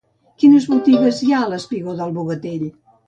Quines botigues hi ha al espigó del Bogatell?